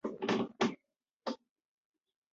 山东抗日根据地设。